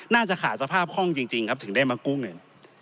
น่าจะขาดสภาพคล่องจริงครับถึงได้มากู้เงิน